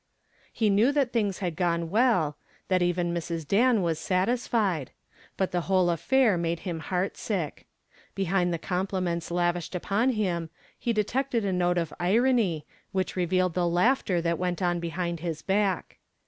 He knew that things had gone well, that even Mrs. Dan was satisfied; but the whole affair made him heartsick. Behind the compliments lavished upon him he detected a note of irony, which revealed the laughter that went on behind his back.